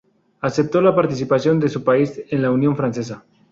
Aceptó la participación de su país en la Unión Francesa.